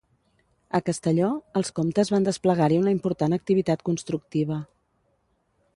A Castelló, els comtes van desplegar-hi una important activitat constructiva.